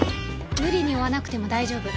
無理に追わなくても大丈夫。